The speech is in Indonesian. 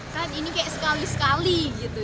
kan ini kayak sekali sekali gitu